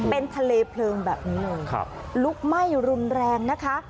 เป็นทะเลเพลิงแบบนี้เลยลุกไหม้รุนแรงนะคะ